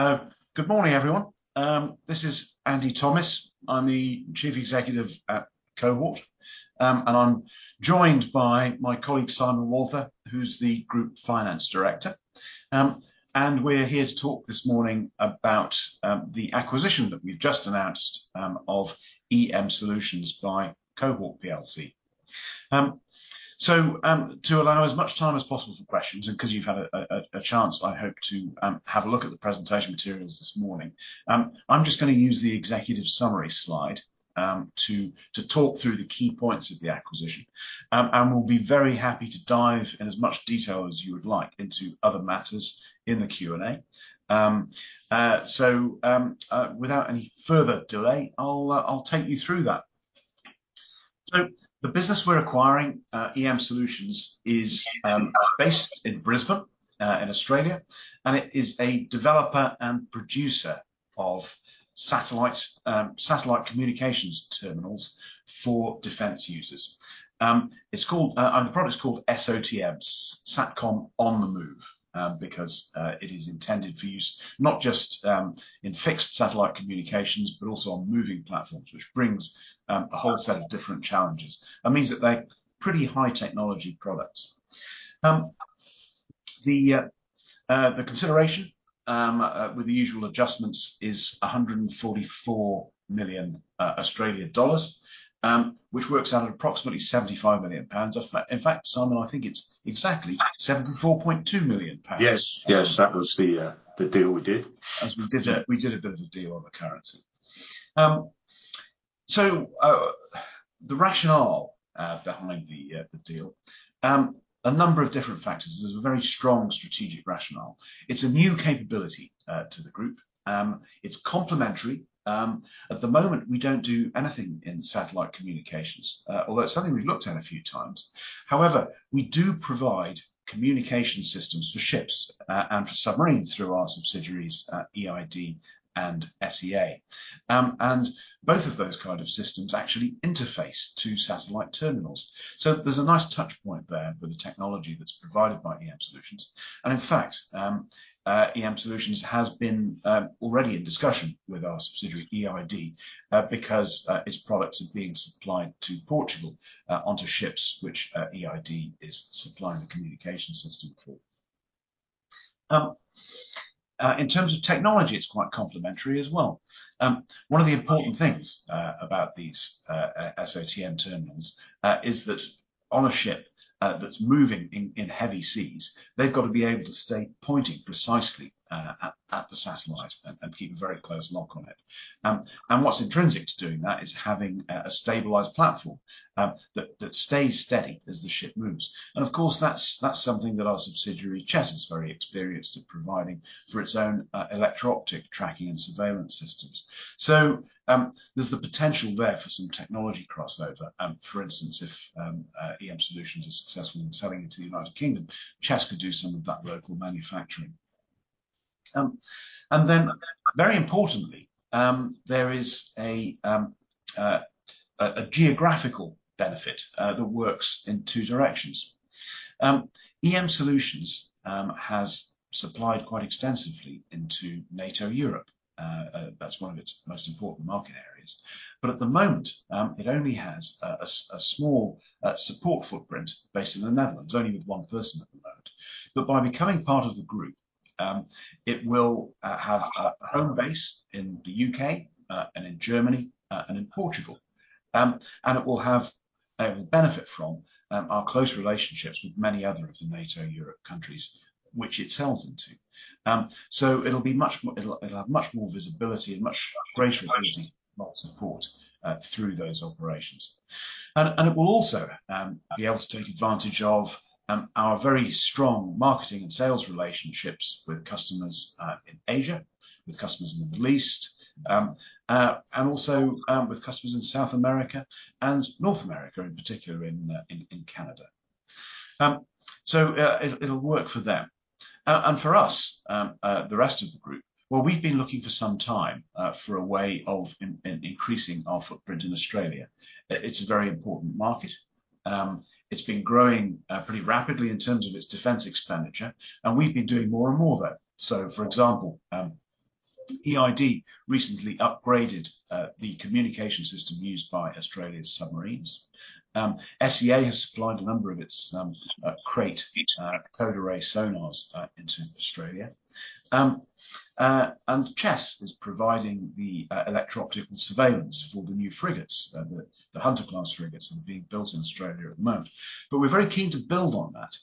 Hello. Good morning, everyone. This is Andrew Thomas. I'm the Chief Executive at Cohort, and I'm joined by my colleague, Simon Walther, who's the Group Finance Director. And we're here to talk this morning about the acquisition that we've just announced of EM Solutions by Cohort PLC. So, to allow as much time as possible for questions, and because you've had a chance, I hope to have a look at the presentation materials this morning, I'm just going to use the executive summary slide to talk through the key points of the acquisition. And we'll be very happy to dive in as much detail as you would like into other matters in the Q&A. So, without any further delay, I'll take you through that. The business we're acquiring, EM Solutions, is based in Brisbane in Australia, and it is a developer and producer of satellite communications terminals for defense users. The product is called SOTM, Satcom on the Move, because it is intended for use not just in fixed satellite communications, but also on moving platforms, which brings a whole set of different challenges. That means that they're pretty high-technology products. The consideration with the usual adjustments is 144 million Australian dollars, which works out at approximately 75 million pounds. In fact, Simon, I think it's exactly 74.2 million pounds. Yes, yes, that was the deal we did. We did a bit of a deal on the currency. So, the rationale behind the deal: a number of different factors. There's a very strong strategic rationale. It's a new capability to the group. It's complementary. At the moment, we don't do anything in satellite communications, although it's something we've looked at a few times. However, we do provide communication systems for ships and for submarines through our subsidiaries, EID and SEA. And both of those kinds of systems actually interface to satellite terminals. So, there's a nice touchpoint there with the technology that's provided by EM Solutions. And in fact, EM Solutions has been already in discussion with our subsidiary, EID, because its products are being supplied to Portugal onto ships, which EID is supplying the communication system for. In terms of technology, it's quite complementary as well. One of the important things about these SOTM terminals is that on a ship that's moving in heavy seas, they've got to be able to stay pointing precisely at the satellite and keep a very close lock on it. And what's intrinsic to doing that is having a stabilized platform that stays steady as the ship moves. And of course, that's something that our subsidiary, Chess, is very experienced at providing for its own electro-optic tracking and surveillance systems. So, there's the potential there for some technology crossover. For instance, if EM Solutions is successful in selling it to the United Kingdom, Chess could do some of that local manufacturing. And then, very importantly, there is a geographical benefit that works in two directions. EM Solutions has supplied quite extensively into NATO Europe. That's one of its most important market areas. But at the moment, it only has a small support footprint based in the Netherlands, only with one person at the moment. But by becoming part of the group, it will have a home base in the U.K. and in Germany and in Portugal. And it will benefit from our close relationships with many other of the NATO Europe countries, which it sells into. So, it'll have much more visibility and much greater ability to support through those operations. And it will also be able to take advantage of our very strong marketing and sales relationships with customers in Asia, with customers in the Middle East, and also with customers in South America and North America, in particular in Canada. So, it'll work for them. And for us, the rest of the group, well, we've been looking for some time for a way of increasing our footprint in Australia. It's a very important market. It's been growing pretty rapidly in terms of its defense expenditure, and we've been doing more and more of that. So, for example, EID recently upgraded the communication system used by Australia's submarines. SEA has supplied a number of its KraitArray sonars into Australia. And Chess is providing the electro-optic surveillance for the new frigates, the Hunter-class frigates that are being built in Australia at the moment. But we're very keen to build on that.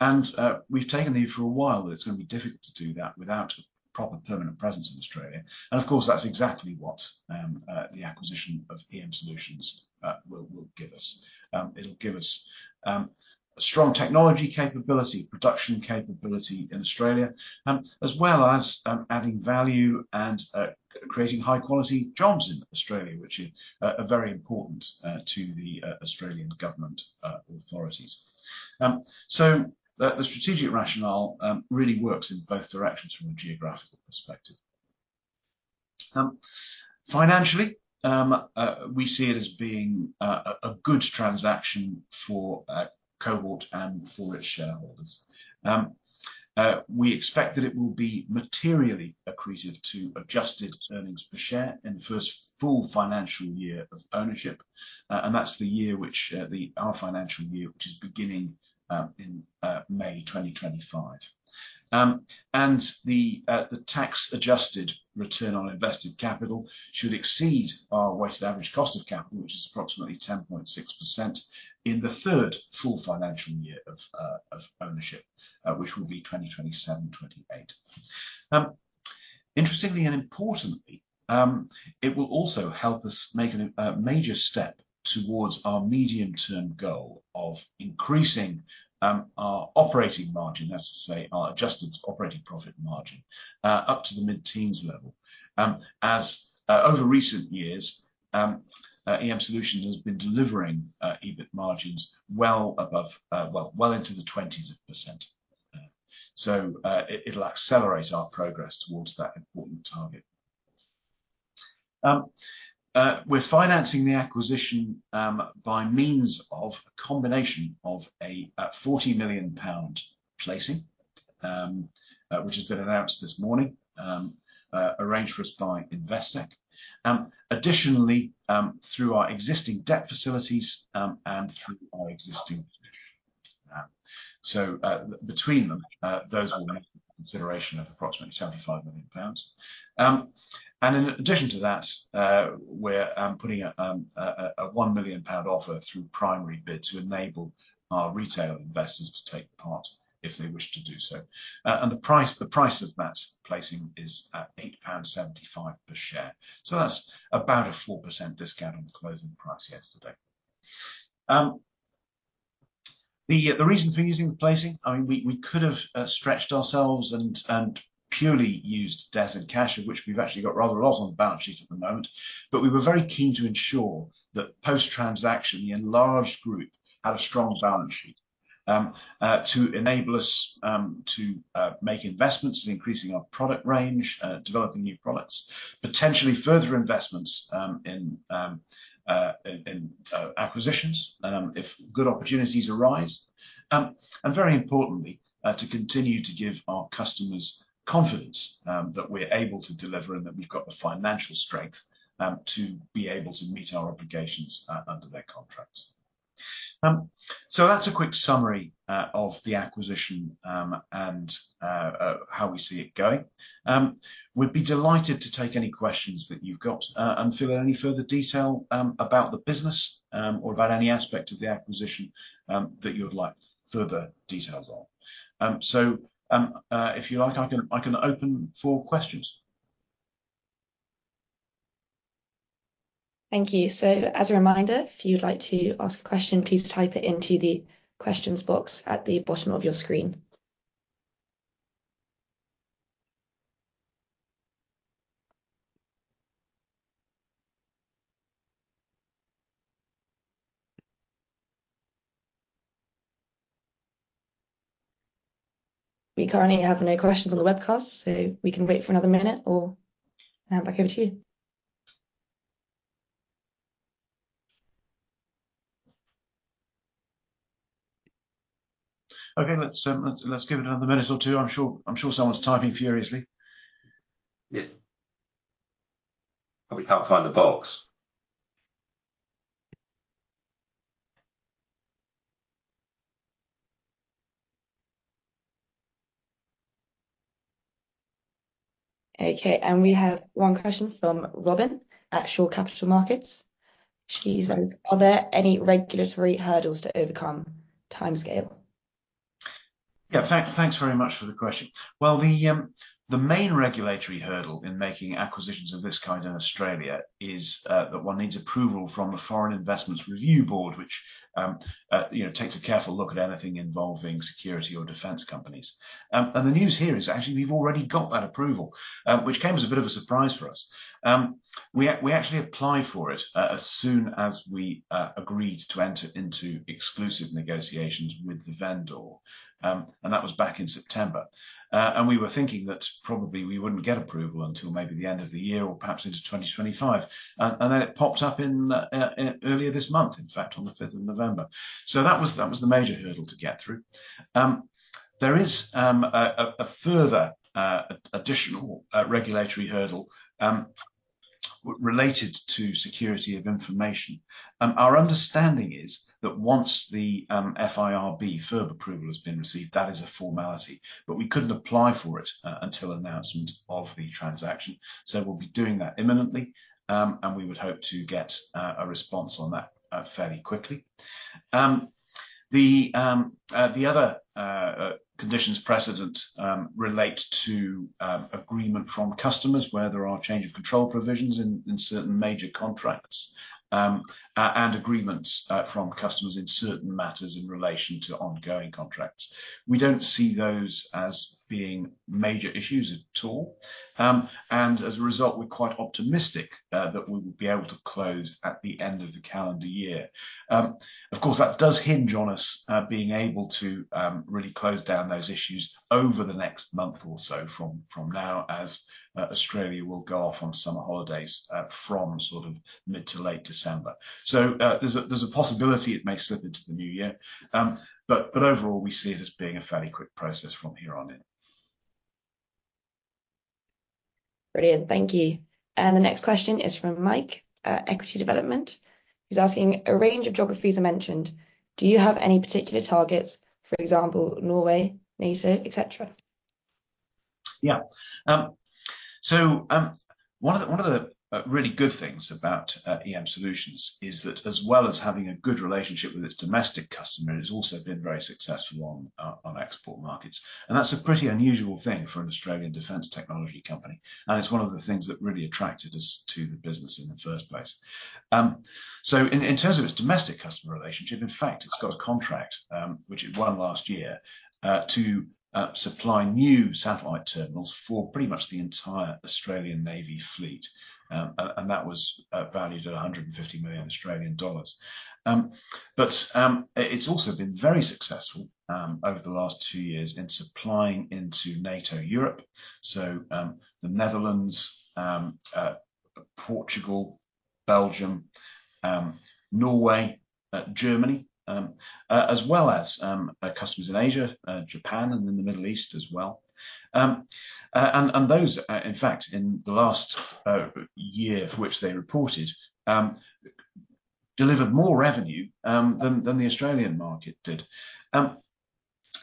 And we've talked for a while, but it's going to be difficult to do that without a proper permanent presence in Australia. And of course, that's exactly what the acquisition of EM Solutions will give us. It'll give us strong technology capability, production capability in Australia, as well as adding value and creating high-quality jobs in Australia, which are very important to the Australian government authorities. The strategic rationale really works in both directions from a geographical perspective. Financially, we see it as being a good transaction for Cohort and for its shareholders. We expect that it will be materially accretive to adjusted earnings per share in the first full financial year of ownership. That's the year which our financial year, which is beginning in May 2025. The tax-adjusted return on invested capital should exceed our weighted average cost of capital, which is approximately 10.6% in the third full financial year of ownership, which will be 2027-2028. Interestingly and importantly, it will also help us make a major step towards our medium-term goal of increasing our operating margin, that's to say our adjusted operating profit margin, up to the mid-teens level. As over recent years, EM Solutions has been delivering EBIT margins well into the 20s%. It'll accelerate our progress towards that important target. We're financing the acquisition by means of a combination of a 40 million pound placing, which has been announced this morning, arranged for us by Investec. Additionally, through our existing debt facilities and through our existing cash position. Between them, those will be consideration of approximately 75 million pounds. In addition to that, we're putting a 1 million pound offer through PrimaryBid to enable our retail investors to take part if they wish to do so. The price of that placing is 8.75 pound per share. That's about a 4% discount on the closing price yesterday. The reason for using the placing, I mean, we could have stretched ourselves and purely used debt or cash, of which we've actually got rather a lot on the balance sheet at the moment. But we were very keen to ensure that post-transaction, the enlarged group had a strong balance sheet to enable us to make investments in increasing our product range, developing new products, potentially further investments in acquisitions if good opportunities arise. And very importantly, to continue to give our customers confidence that we're able to deliver and that we've got the financial strength to be able to meet our obligations under their contracts. So, that's a quick summary of the acquisition and how we see it going. We'd be delighted to take any questions that you've got and fill in any further detail about the business or about any aspect of the acquisition that you'd like further details on. So, if you like, I can open for questions. Thank you, so as a reminder, if you'd like to ask a question, please type it into the questions box at the bottom of your screen. We currently have no questions on the webcast, so we can wait for another minute or hand back over to you. Okay, let's give it another minute or two. I'm sure someone's typing furiously. Yeah. Probably can't find the box. Okay, and we have one question from Robin at Shore Capital Markets. She says, are there any regulatory hurdles to overcome? Timescale? Yeah, thanks very much for the question. Well, the main regulatory hurdle in making acquisitions of this kind in Australia is that one needs approval from the Foreign Investment Review Board, which takes a careful look at anything involving security or defense companies. And the news here is actually we've already got that approval, which came as a bit of a surprise for us. We actually applied for it as soon as we agreed to enter into exclusive negotiations with the vendor. And that was back in September. And we were thinking that probably we wouldn't get approval until maybe the end of the year or perhaps into 2025. And then it popped up earlier this month, in fact, on the 5th of November. So, that was the major hurdle to get through. There is a further additional regulatory hurdle related to security of information. Our understanding is that once the FIRB approval has been received, that is a formality. But we couldn't apply for it until announcement of the transaction. So, we'll be doing that imminently. And we would hope to get a response on that fairly quickly. The other conditions precedent relate to agreement from customers where there are change of control provisions in certain major contracts and agreements from customers in certain matters in relation to ongoing contracts. We don't see those as being major issues at all. And as a result, we're quite optimistic that we will be able to close at the end of the calendar year. Of course, that does hinge on us being able to really close down those issues over the next month or so from now as Australia will go off on summer holidays from sort of mid to late December. So, there's a possibility it may slip into the new year. But overall, we see it as being a fairly quick process from here on in. Brilliant. Thank you. And the next question is from Mike at Equity Development. He's asking, "A range of geographies are mentioned. Do you have any particular targets, for example, Norway, NATO, etc.? Yeah. So, one of the really good things about EM Solutions is that as well as having a good relationship with its domestic customers, it's also been very successful on export markets, and that's a pretty unusual thing for an Australian defense technology company, and it's one of the things that really attracted us to the business in the first place, so in terms of its domestic customer relationship, in fact, it's got a contract, which it won last year, to supply new satellite terminals for pretty much the entire Australian Navy fleet, and that was valued at 150 million Australian dollars. But it's also been very successful over the last two years in supplying into NATO Europe, so the Netherlands, Portugal, Belgium, Norway, Germany, as well as customers in Asia, Japan, and in the Middle East as well. Those, in fact, in the last year of which they reported, delivered more revenue than the Australian market did.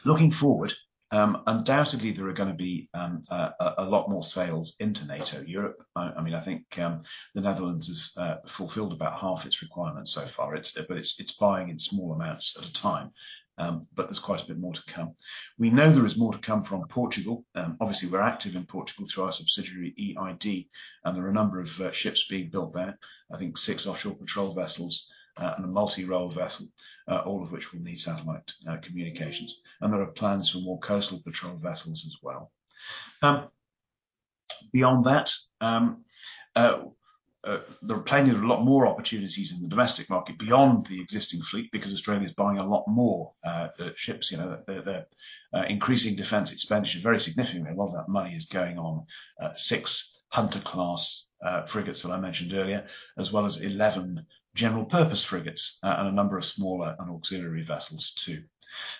Looking forward, undoubtedly, there are going to be a lot more sales into NATO Europe. I mean, I think the Netherlands has fulfilled about half its requirements so far, but it's buying in small amounts at a time. But there's quite a bit more to come. We know there is more to come from Portugal. Obviously, we're active in Portugal through our subsidiary EID. And there are a number of ships being built there, I think six offshore patrol vessels and a multi-role vessel, all of which will need satellite communications. And there are plans for more coastal patrol vessels as well. Beyond that, there are plenty of a lot more opportunities in the domestic market beyond the existing fleet because Australia is buying a lot more ships. Increasing defense expenditure very significantly. A lot of that money is going on six Hunter-class frigates that I mentioned earlier, as well as 11 general purpose frigates and a number of smaller and auxiliary vessels too,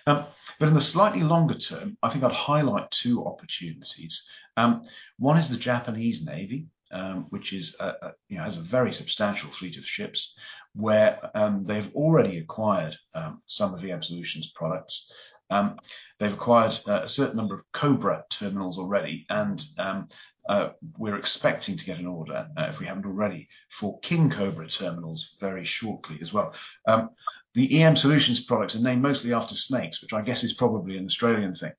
but in the slightly longer term, I think I'd highlight two opportunities. One is the Japanese Navy, which has a very substantial fleet of ships where they've already acquired some of EM Solutions products. They've acquired a certain number of Cobra terminals already, and we're expecting to get an order, if we haven't already, for King Cobra terminals very shortly as well. The EM Solutions products are named mostly after snakes, which I guess is probably an Australian thing,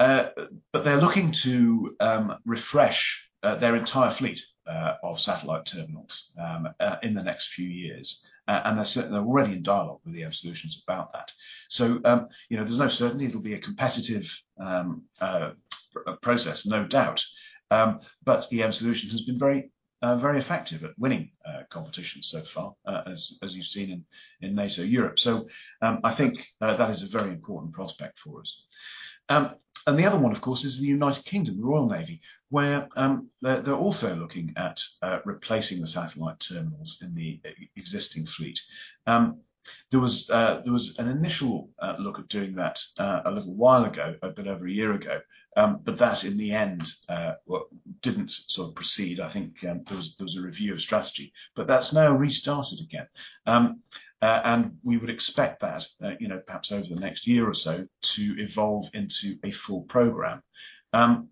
but they're looking to refresh their entire fleet of satellite terminals in the next few years, and they're already in dialogue with EM Solutions about that. So, there's no certainty it'll be a competitive process, no doubt. But EM Solutions has been very effective at winning competition so far, as you've seen in NATO Europe. So, I think that is a very important prospect for us. And the other one, of course, is the United Kingdom, the Royal Navy, where they're also looking at replacing the satellite terminals in the existing fleet. There was an initial look at doing that a little while ago, a bit over a year ago. But that in the end didn't sort of proceed. I think there was a review of strategy. But that's now restarted again. And we would expect that perhaps over the next year or so to evolve into a full program. And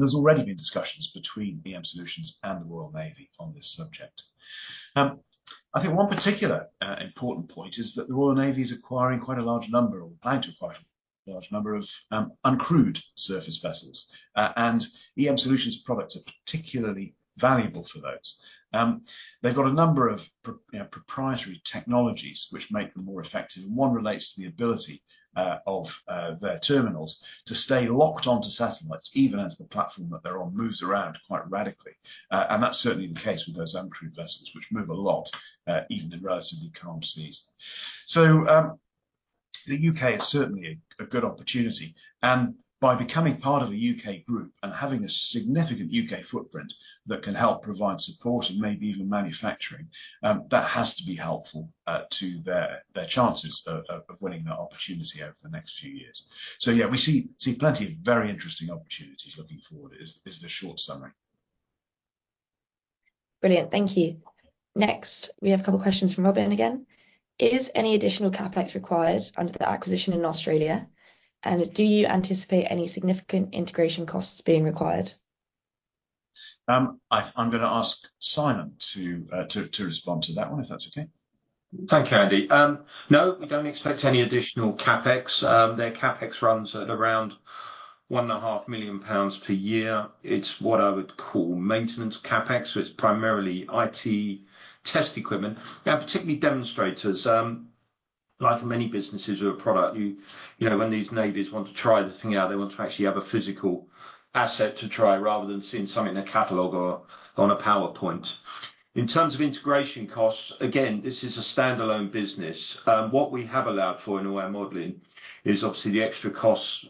there's already been discussions between EM Solutions and the Royal Navy on this subject. I think one particular important point is that the Royal Navy is acquiring quite a large number or planning to acquire a large number of uncrewed surface vessels. And EM Solutions products are particularly valuable for those. They've got a number of proprietary technologies which make them more effective. And one relates to the ability of their terminals to stay locked onto satellites even as the platform that they're on moves around quite radically. And that's certainly the case with those uncrewed vessels, which move a lot even in relatively calm seas. So, the UK is certainly a good opportunity. And by becoming part of a UK group and having a significant UK footprint that can help provide support and maybe even manufacturing, that has to be helpful to their chances of winning that opportunity over the next few years. Yeah, we see plenty of very interesting opportunities looking forward is the short summary. Brilliant. Thank you. Next, we have a couple of questions from Robin again. Is any additional CapEx required under the acquisition in Australia? And do you anticipate any significant integration costs being required? I'm going to ask Simon to respond to that one if that's okay. Thank you, Andy. No, we don't expect any additional CapEx. Their CapEx runs at around 1.5 million pounds per year. It's what I would call maintenance CapEx. So, it's primarily IT test equipment. Particularly demonstrators, like many businesses with a product, when these navies want to try the thing out, they want to actually have a physical asset to try rather than seeing something in a catalog or on a PowerPoint. In terms of integration costs, again, this is a standalone business. What we have allowed for in all our modeling is obviously the extra costs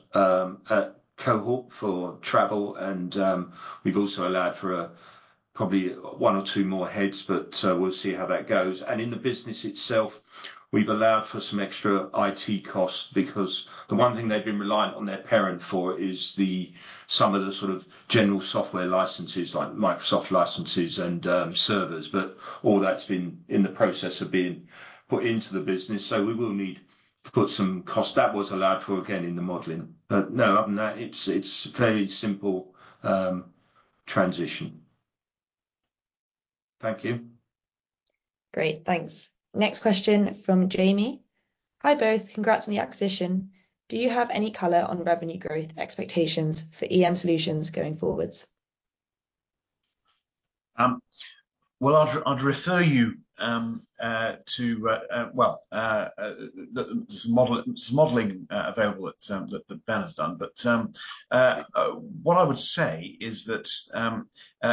Cohort for travel. And we've also allowed for probably one or two more heads, but we'll see how that goes. And in the business itself, we've allowed for some extra IT costs because the one thing they've been reliant on their parent for is some of the sort of general software licenses like Microsoft licenses and servers. But all that's been in the process of being put into the business. So, we will need to put some costs that was allowed for again in the modeling. But no, other than that, it's a fairly simple transition. Thank you. Great. Thanks. Next question from Jamie. Hi both. Congrats on the acquisition. Do you have any color on revenue growth expectations for EM Solutions going forwards? I'd refer you to, well, there's some modeling available that Ben has done. But what I would say is that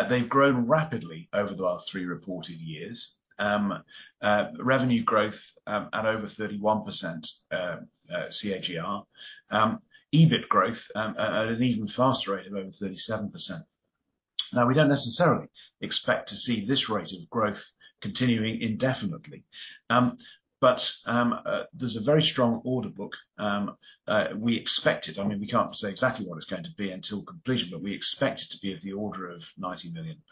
they've grown rapidly over the last three reported years. Revenue growth at over 31% CAGR. EBIT growth at an even faster rate of over 37%. Now, we don't necessarily expect to see this rate of growth continuing indefinitely. But there's a very strong order book. We expect it. I mean, we can't say exactly what it's going to be until completion, but we expect it to be of the order of £90 million.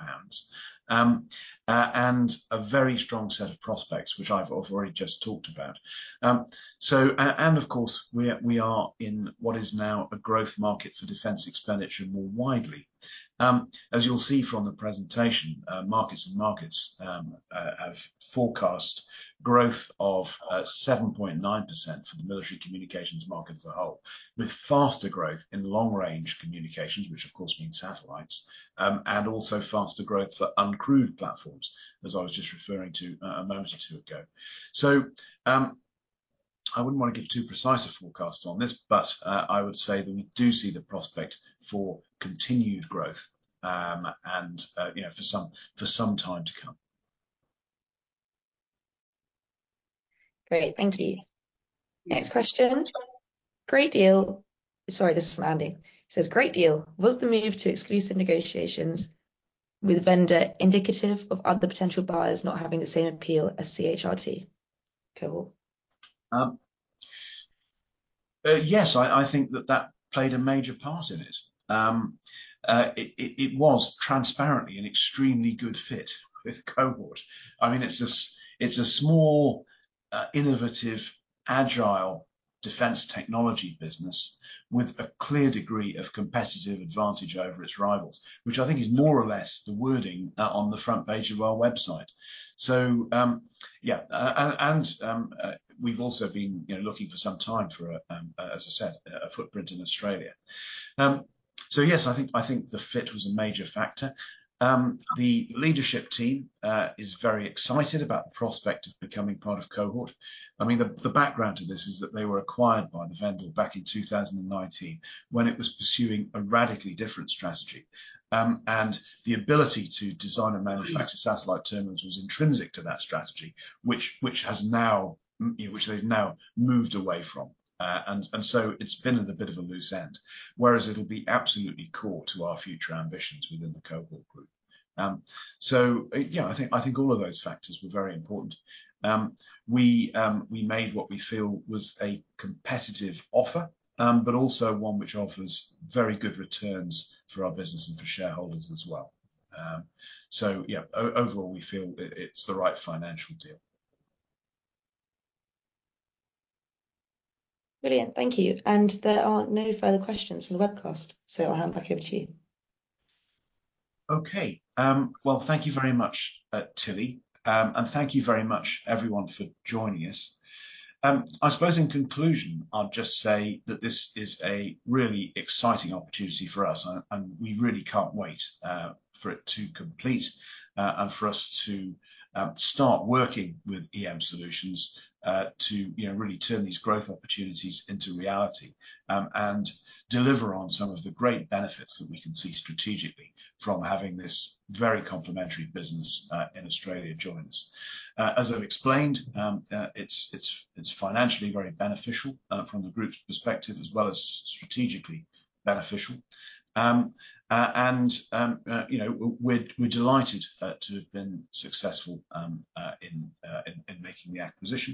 And a very strong set of prospects, which I've already just talked about. So, and of course, we are in what is now a growth market for defense expenditure more widely. As you'll see from the presentation, MarketsandMarkets have forecast growth of 7.9% for the military communications market as a whole, with faster growth in long-range communications, which of course means satellites, and also faster growth for uncrewed platforms, as I was just referring to a moment or two ago. So, I wouldn't want to give too precise a forecast on this, but I would say that we do see the prospect for continued growth and for some time to come. Great. Thank you. Next question. Great deal. Sorry, this is from Andy. He says, "Great deal. Was the move to exclusive negotiations with a vendor indicative of other potential buyers not having the same appeal as CHRT?" Cohort. Yes, I think that that played a major part in it. It was transparently an extremely good fit with Cohort. I mean, it's a small, innovative, agile defense technology business with a clear degree of competitive advantage over its rivals, which I think is more or less the wording on the front page of our website. So, yeah. And we've also been looking for some time for, as I said, a footprint in Australia. So, yes, I think the fit was a major factor. The leadership team is very excited about the prospect of becoming part of Cohort. I mean, the background to this is that they were acquired by the vendor back in 2019 when it was pursuing a radically different strategy. And the ability to design and manufacture satellite terminals was intrinsic to that strategy, which they've now moved away from. And so, it's been at a bit of a loose end, whereas it'll be absolutely core to our future ambitions within the Cohort group. So, yeah, I think all of those factors were very important. We made what we feel was a competitive offer, but also one which offers very good returns for our business and for shareholders as well. So, yeah, overall, we feel it's the right financial deal. Brilliant. Thank you. And there are no further questions from the webcast. So, I'll hand back over to you. Okay. Well, thank you very much, Tilly. And thank you very much, everyone, for joining us. I suppose in conclusion, I'll just say that this is a really exciting opportunity for us. And we really can't wait for it to complete and for us to start working with EM Solutions to really turn these growth opportunities into reality and deliver on some of the great benefits that we can see strategically from having this very complementary business in Australia join us. As I've explained, it's financially very beneficial from the group's perspective, as well as strategically beneficial. And we're delighted to have been successful in making the acquisition.